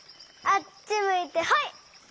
あっちむいてホイ！